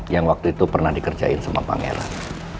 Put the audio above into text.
yang waktu itu pernah dikerjain sama pangeran